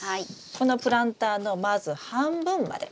このプランターのまず半分まで。